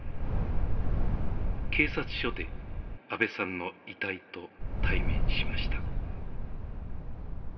警察署で阿部さんの遺体と対面しました。